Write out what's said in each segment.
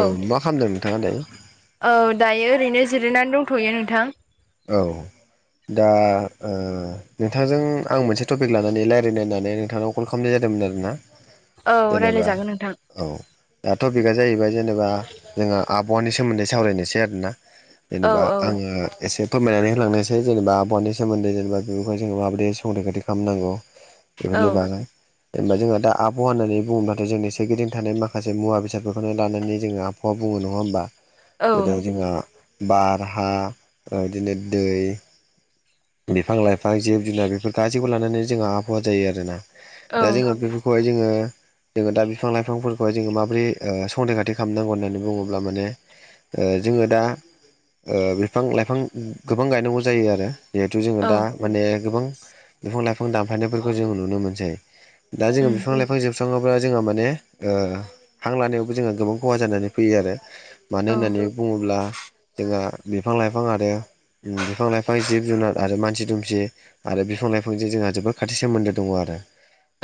औ मा खामदों नोंथाङा दायो औ दायो ओरैनो जिरायनानै दंथ'यो नोंथां औ दा ओ नोंथांजों आं मोनसे टपिक लानानै लायरायनो होननानै नोंथांनाव कल खालामनाय जादोंमोन आरो ना औ रायलाय जागोन नोंथां औ दा टपिकआ जाहैबाय जेनेबा जोंहा आबहावानि सोमोन्दै सावरायनोसै आरोना औ जेनेबा औ आङो एसे फोरमायनानै होलांनोसै जेनेबा आबहानि सोमोन्दै जेनेबा बेफोरखौ जोङो माबायदि संरैखाथि खालामनांगौ औ बेफोरनि बागै जेनेबा जोङो दा आबहावा होननानै बुङोब्लाथाय जोंनि सोरगिदिं थानाय माखासे मुवा बेसादफोरखौनो लानानै जोङो आब आबाहावा बुङो नङा होमबा औ जेरै जोंहा बार हा बिदिनो दै बिफां लाइफां जिब जुनार बेफोर गासैबो लानानै जोंहा आबहावा जायो आरोना औ दा जोङो बे खौहाय जोङो जोङो दा बिफां लाइफांफोरखौहाय जोङो माबोरै संरैखाथि खालामनांगौ होननानै बुङोब्ला माने जोङो दा बिफां लाइफां गोबां गायनांगौ जायो आरो जिहेथु जोङो औ दा माने गोबां बिफां लाइफां दानफायनायफोरखौ जों नुनो मोनसै दा जो उम बिफां लाइफां बिफां जोबस्राङोब्ला जोंहा माने हां लानायावबो जोंहा गोबां खहा जानानै फैयो आरो मानो औ होननानै बुङोब्ला जोंहा बिफां लाइफां आरो बिफां लाइफां जिब जिब जुनार आरो मानसि दुमसि आरो बिफां लाइफांजों जोंहा जोबोद खाथि सोमोन्दो दङ आरो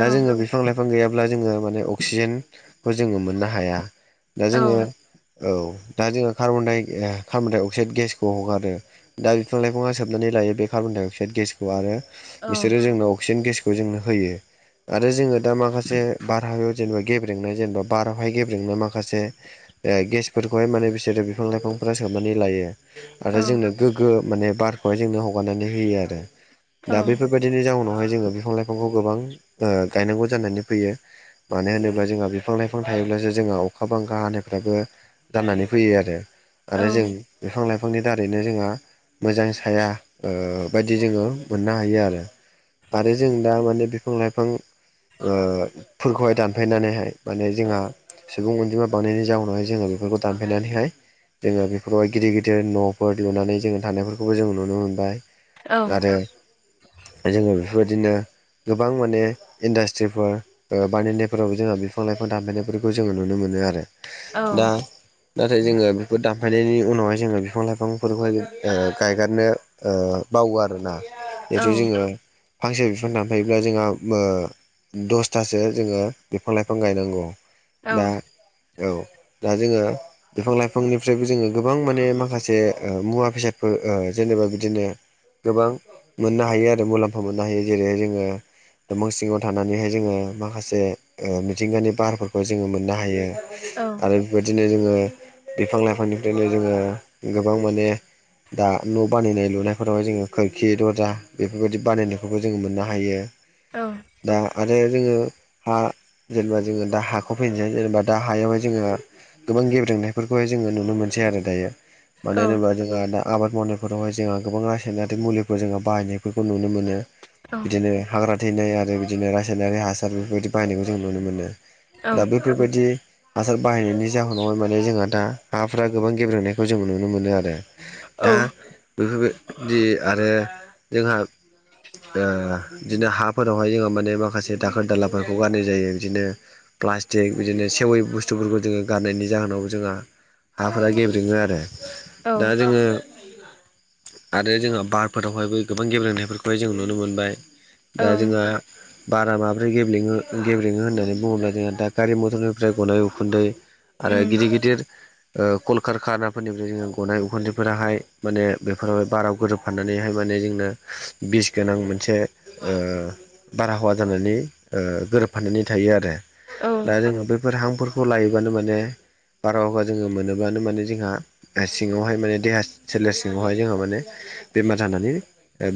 दा औ जोङो बिफां लाइफां गैयाब्ला जोङो माने अक्सिजेनखौ जोङो मोननो हाया दा औ जोङो औ दा जोङो कार्बनडाय ओ कार्बन डाइ अक्साइड गेसखौ हगारो दा बिफां लाइफाङा सोब सोबनानै लायो बे कार्बन डाइ अक्साइड गेसखौ आरो औ बिसोरो जोंनो अक्सिजेन गेसखौ जोंनो होयो आरो जोङो दा माखासे बारहावायाव जेनेबा गेब्रेंनाय जेनेबा बारावहाय गेब्रेंनाय माखासे ओ गेसफोरखौहाय माने बिसोरो बिफां लाइफांफोरा सोबनानै लायो आरो औ जोंनो गोग्गो माने बारखौहाय जोंनो हगारनानै होयो आरो दा बैफोर औ बेबायदिनि जाउनावहाय जोङो बिफां लाइफांखौ गोबां गायनांगौ जानानै फैयो मानो होनोब्ला जोंहा बिफां लाइफां थायोब्लासो जोंहा अखा बांखा हानायफ्राबो जानानै फैयो आरो औ आरो जों बिफां लाइफांनि दारैनो जोंहा हाया बायदि जोङो मोननो हायो आरो आरो जों दा माने बिफां लाइफांफोरखौहाय दानफायनानैहाय माने जोंहा सुबुं अनजिमा बानायनायनि जाउनावहाय जोङो बेफोरखौ दानफायनानैहाय जोङो बेफोराहाय गिदिर गिदिर न'फोर लुनानै जोङो थानायफोरखौ खौबो जों नुनो मोनबाय औ आरो जोङो बेफोरबायदिनो गोबां माने इन्डास्ट्रिफोर बानायफोरावबो जोंहा बिफां लाइफां दानफायनायफोरखौ जोङो नुनो मोनो आरो दा नाथाय जोङो बेफोर दानफायनायनि उनावहाय जोङो बिफां लाइफांफोरखौहाय गायगारनो बावो आरोना औ जिथु जोङो फांसे बिफां दानफायोब्ला जोंहा दसथासो जोङो बिफां लाइफां गायनांगौ दा औ दा जोङो बिफां लाइफांनिफ्रायबो जोङो गोबां माने माखासे मुवा बेसाद फोर जेनेबा बिदिनो गोबां मोननो हायो आरो मुलाम्फा मोननो हायो जेरै जोङो दंफां सिङाव थानानैहाय जोङो माखासे मिथिंगानि बारफोरखौ जोङो मोननो हायो आरो बेबायदिनो जोङो बिफां लाइफांनिफ्रायनो जोङो गोबां माने दा न' बानायनाय लुनायफोरावहाय जोङो खोरखि दरजा बेफोरबायदि बानायनायखौबो जोङो मोननो हायो औ दा आरो जोंङो हा जेनेबा जोंङो दा हाखौ फैनोसै जेनेबा दा हायावहाय जोंङो गोबां गेब्रेंनायफोरखौहाय जोंङो नुनो मोनसै आरो दायो मानो होनोबा जोंहा दा आबाद मावनायफोरावहाय जोंहा गोबां रासायनारि मुलिखौ जोंङो बाहायनायफोरखौ नुनो मोनो बिदिनो हाग्रा थैनाय आरो बिदिनो रासायनारि हासार बेफोरबायदि बाहायनायखौ जों नुनो मोनो दा बेफोरबायदि हासार बाहायनायनि जाहोनावहाय माने जोंहा दा हाफ्रा गोबां गेब्रेनायखौ जों नुनो मोनो आरो दा बेफोरबायदि आरो जोंहा बिदिनो हाफोरावहाय जोंङो माने माखासे दाखोर दालाफोरखौ गारनाय जायो बिदिनो प्लास्टिक बिदिनो सेवै बुस्थुफोरखौ जोंङो गारनायनि जाहोनाव जोंहा हाफोरा गेब्रेङो आरो दा जोंङो आरो जोंहा बारफोरावहायबो गोबां गेब्रेंनायफोरखौहाय जों नुनो मोनबाय दा जोंङो बारा माबोरै गेब्लेङो गेंब्रेङो होननानै बुंङोब्ला जोंहा दा गारि मथरनिफ्राय गनाय उखुन्दै आरो उम गिदिर गिदिर कलकारखानाफोरनिफ्राय जोंङो गनाय उखुन्दैफोराहाय माने बेफोरावहाय बाराव गोरोबफाननानैहाय माने जोंनो बिस गोनां मोनसे ओ बारहावा जानानै ओ गोरोबफानानै थायो आरो औ दा जोंङो बे बेफोर हांफोरखौ लायोबानो माने बार' हगा जोंङो मोनोबानो माने जोंहा सिङांवहाय माने देहा सोलेर सिङावहाय जोंहा माने बेमार जानानै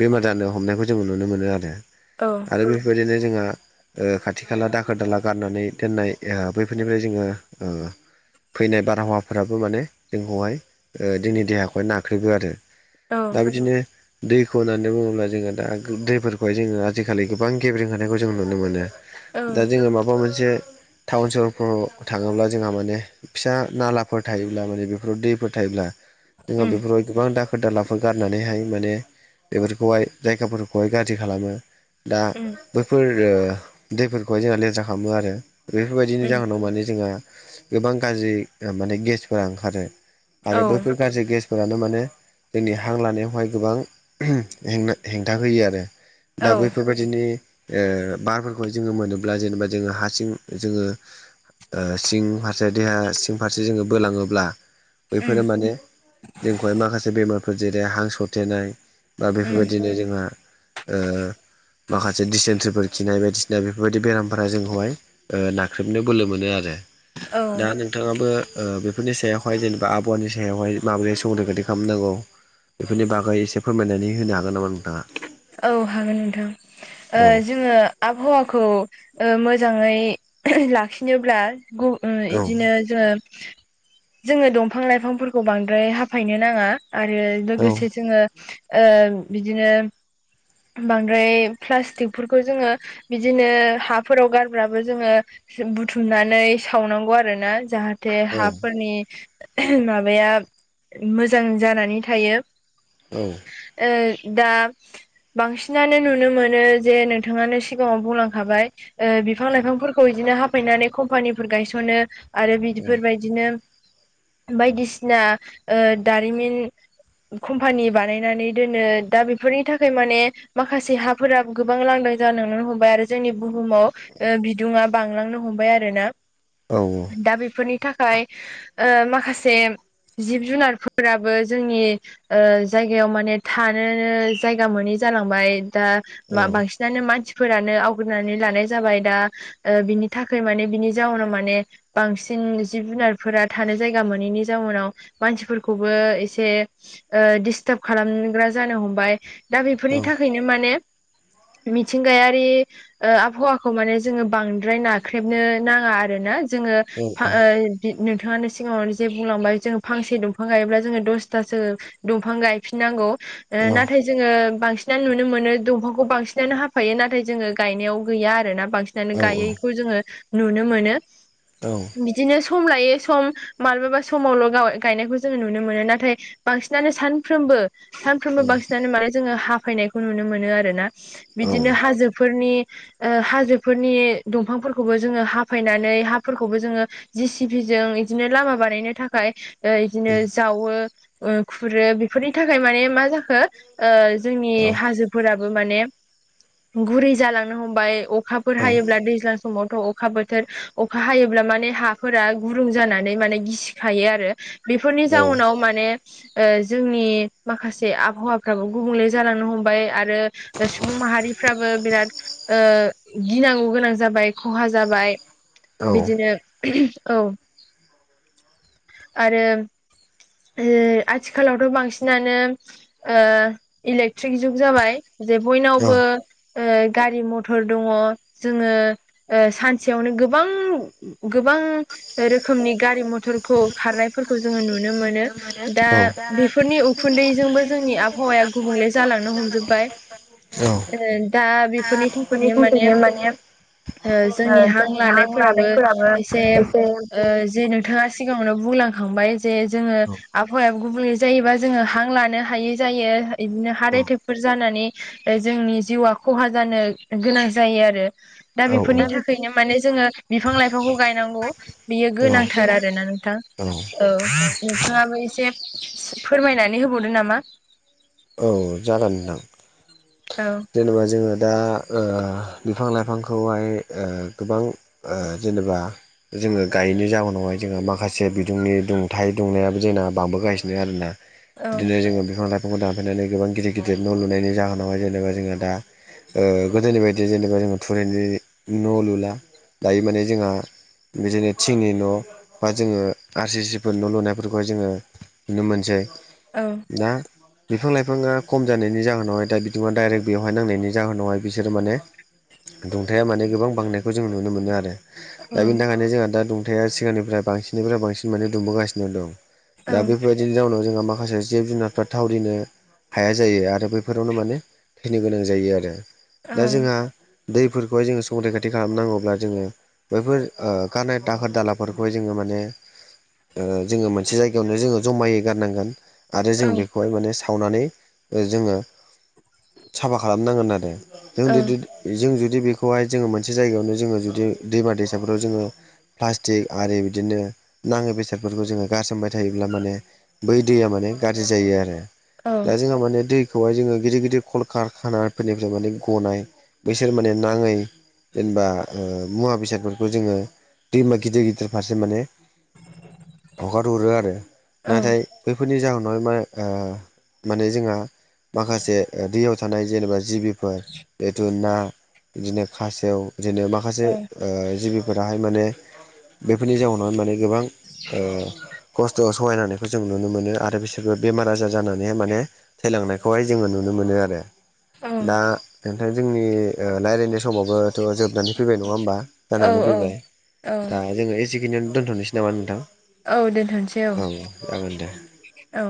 बेमार जानो हमनायखौ जोंङो नुनो मोनो आरो औ औ आरो बेफोरबायदिनो जोंहा खाथि खाला दाखोर दाला गारनानै दोननाय बैफोरनिफ्राय जोंङो फैनाय बारहावाफोराबो माने जोंखौहाय जोंनि देहाखौहाय नाग [unintelligible] आरो दा बिदिनो दैखौ होननानै बुङोब्ला जोंङो दा दैफोरखौहाय जोंङो आजिखालि गोबां गेब्रें होनायखौ जों नुनो मोनो दा जोंङो माबा मोनसे टाउन सहरफोराव थांङोब्ला जोंहा माने फिसा नालाफोर थायोब्ला माने बेफोराव दैफोर थायोब्ला जोंहा बेफोर उम गोबां दाखोर दालाफोर गारनानैहाय माने बेफोरखौहाय जायगाफोरखौहाय गाज्रि खालामो दा उम बैफोर दैफोरखौहाय जोंहा लेेथ्रा खालामो आरो बेफोरबायदिनि जाहोनाव माने जोंहा गोबां गाज्रि माने गेसफोरा ओंखारो आरो औ बैफोर गाज्रि गेस फोरानो माने जोंनि हां लानायावहाय गोबां हेंना हेंथा होयो आरो दा बेैफोरबायदि बिदिनि ओ बारफोरखौ जोंङो मोनोब्ला जेनेबा जोंङो हारसिं जोंङो ओ सिं फारसे देहा सिं फारसे जोंङो बोलाङोब्ला उम बैफोरो माने जोंखौहाय माखासे बेमारफोर जेरै हां सरथेनाय बा उम बेफोरबायदिनो जोंहा ओ माखासे दिसेनथ्रिफोर खिनाय बायदिसिना बेफोरबायदि बेरामफोरा जोंखौहाय ओ नाख्रेबनो बोलो मोनो आरो औ दा नोंथांङाबो ओ बेफोरनि सायावहाय जेनेबा आबाहावानि सायावहाय माबोरै स संरैखाथि खालामनांगौ बेफोरनि बागै एसे फोरमायनानै होनो हागोन नामा नोंथांङा? औ हागोन नोंथां ओ औ जोंङो आबाहावाखौ ओ मोजांङै लाखिनोब्ला गु ओ औ बिदिनो जोंङो जोंङो दंफां लाइफांफोरखौ बांद्राय हाफायनो नांङा आरो औ लोगोसे जोंङो ओ बिदिनो बांद्राय प्लास्टिकफोरखौ जोंङो बिदिनो हाफोराव गारबाबो जोंङो बुथुमनानै सावनांगौ आरो ना जाहाथे औ हाफोरनि माबाया मोजां जानानै थायो। औ ओ दा बांसिनानो नुनो मोनो जे नोंथाङानो सिगाङाव बुंलांखाबाय ओ बिफां लाइफांफोरखौ खौ बिदिनो हाफायनानै कम्पानिफोर गायस'नो आरो औ बिदिफोरबायदिनो बायदिसिना ओ दारिमिन कम्पानि बानायनानै दोनो दा बेफोरनि थाखाय माने माखासे हाफोराबो गोबां लांदां जाननो हमबाय आरो जोंनि बुहुमाव बिदुंङाबो बांलांनो हमबाय आरो ना औ औ दा बेफोरनि थाखाय ओ माखासे जिब जुनारफोराबो जोंनि ओ जायगायाव माने थानोनो जायगा मोनै जालांबाय दा बिसोरनि उखुन्दैजोंबो जोंनि आबहावाया गुबुंले जालांनो बेफोरनि बांसिन बिनो मानसिफोरानो आवग्रिनानै लानाय जाबाय दा ओ बिनि थाखाय माने बिनि जाउनाव माने बांसिन जिब जुनारफोरा थानो जायगा मोनैनि जाउनाव मानसिफोरखौबो एसे ओ दिडिस्टाब खालामग्रा जानो हमबाय दा बे बेफोरनि थाखायनो माने मिथिंगायारि आबहावाखौ माने जोङो बांद्राय नाख्रेबनो नाङा आरो ना जोङो नोंथाङानो सिगाङावनो जे बुंलांबाय जों फांसे दंफां गायोब्ला जोङो दसथासो दंफां गायफिननांगौ नाथाय जोङो बांसिन बांसिनानो नुनो मोनो दंफांखौ बांसिनानो हाफायो नाथाय जोङो गायनायाव गैया आरोना बांसिन गायैखौ जोङो नुनो मोनो। औ बिदिनो सम लायै सम माब्लाबा समावल' गायनायखौ जोंङो नुनो मोनो नाथाय बांसिनानो सानफ्रोमबो सानफ्रोमबो बांसिनानो माने जोङो हाफायनायखौ नुनो मोनो आरोना बिदिनो हाजोफोरनि ओ हाजोफोरनि दंफांफोरखौबो जोङो हाफायनानै हाफोरखौबो जोङो जि सिपिजों इदिनो लामा बानायनो थाखाय ओ बिदिनो जावो खुरो बेफोरनि थाखाय माने मा जाखो ओ जों जोंनि हाजोफोराबो मान गुरै जांनो हम अखाफोर हायो दैज्लां समावथ' अखा बोथोर अखा हायोब्ला माने हाफोरा गुरुं जानानै माने गिसिखायो आरो बेफोरनि जाउनाव माने जोंनि माखासे आबहावाफ्राबो गुबुंले जालांनो हमबाय आरो सुबुं माहारिफ्राबो बिराद गिनांगौ गोनां जाबाय खहा जाबाय बिदिनो औ आरो आथिखालावथ' बांसिनानो इलेक्ट्रिक जुग जाबाय जे बयनावबो गारि मथर दङ जोङो सानसेयावनो गोबां गोबां रोखोमनि गारि मथरखौ खारनायफोरखौ जोङो नुनो मोनो। दा बेफोरनि उखुन्दैजोंबो जोंनि आबहावाया गुबुंले जालांनो हमजोबबाय दा बेफोरनि थाखायनो माने जोंनि हां लानायफोराबो एसे जे नोंथाङा सिगां सिगाङावनो बुंलांखांबाय जे जोङो आबहावा गुबुनै जायोबा जोङो हां लानो हायै जायो बिदिनो हार्ट एटेकफोर जानानै जोंनि जिउआ खहा जानो गोनां जायो आरो। दा बेफोरनि थाखायनो माने जोङो बिफां लाइफांखौ गायनांगौ बियो गोनांथार आरोना नोंथां औ नोंथाङाबो एसे फोरमायनानै होबावदो नामा? औ जागोन नोंथां औ जेनेबा जोङो दा ओ बिफां लाइफांखौहाय ओ गोबां ओ जेनेबा जोङो गायैनि जाउनावहाय माखासे बिदुंनि दुंथाइ दुंनायाबो जोंना बांबो गासिनो आरोना? औ बिदिनो जोङो बिफां लाइफांखौ दानफायनानै गोबां गिदिर गिदिर न' लुनायनि जाहोनावहाय जेनेबा जोंङो दा ओ गोदोनि बायदि जेनेबा जोङो थुरिनि न' लुला दायो माने जोंहा बिदिनो थिंनि न' बा जोङो आर सि सिफोर न' लुनायफोरखौहाय जोङो नुनो मोनसै। औ दा बिफां लाइफाङा खम जानायनि जाहोनावहाय दा बिथाङा डाइरेक्ट बेवहाय नांनायनि जाहोनावहाय बिसोरो माने दुंथाया माने गोबां बांनायखौ जों नुनो मोनो आरो। औ दा बिनि थाखायनो जोंहा दा दुंथाया सिगांनिफ्राय बांसिननिफ्राय बांसिन माने दुंबोगासिनो दं। औ दा बेफोर। बिनि जाउनाव जोंहा माखासे जिब जुनारफ्रा थावरिनो हाया जायो। आरो बेफोरावनो माने थैनो गोनां जायो। आरो औ दा जोंहा दैफोरखौहाय जोङो संखरैखाथि खालामनांगौब्ला जोङो बैफोर ओ गारनाय दाखोर दालाफोरखौहाय जोङो माने ओ जोङो मोनसे जायगायावनो जोङो जमायै गारनांगोन। आरो औ जों बेखौहाय माने सावनानै जोङो साफा खालामनांगोन आरो। जों औ [unintelligible] जों जुदि बेखौहाय जोङो मोनसे जायगायावनो जोङो जुदि दैमा दैसाफ्राव जोङो प्लास्टिक आरि बिदिनो नाङि बेसादफोरखौ जोङो गारसोमबाय थायोब्ला माने बै दैया माने गाज्रि जायो आरो औ दा जोंहा माने दैखौहाय जोङो गिदिर गिदिर कल कारखानाफोरनिफ्राय माने गनाय बैसोर माने नाङै जेनेबा ओ। मुवा बेसादफोरखौ जोङो दैमा गिदिर गिदिर फारसे माने। हगारहरो आरो औ नाथाय बैफोरनि जाहोनाव मा ओ माने जोंहा माखासे दैयाव थानाय जेनेबा जिबिफोर जेहथु ना बिदिनो खासेव बिदिनो मा माखासे ओ जिबिफोराहाय माने बेफोरनि जाउनावनो माने गोबां ओ खस्थ'स थगायनो हानायखौ जों नुनो मोनो आरो बिसोरबो बेमार आजार जानानैहाय माने थैलांनायखौहाय जोङो नु नुनो मोनो आरो औ दा नोथां जोंनि रायलायनाय समावबो थ जोबनानै फैबाय नङा होमबा औ जानानै फैबाय औ दा जोङो जिखिनियाव दोनथ'नोसै नामा नोंथां। औ दोनथ'सै औ जागोन दे औ।